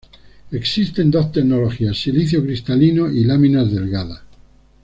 Existen dos tecnologías: silicio cristalino y láminas delgadas.